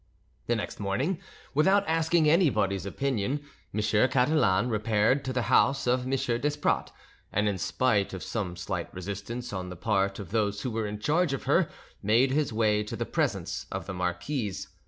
The next morning, without asking anybody's opinion, M. Catalan repaired to the house of M. Desprats, and in spite of some slight resistance on the part of those who were in charge of her, made his way to the presence of the marquise.